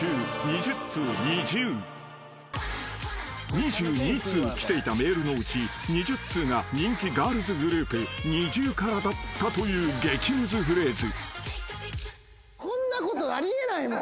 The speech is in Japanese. ［２２通来ていたメールのうち２０通が人気ガールズグループＮｉｚｉＵからだったという激ムズフレーズ］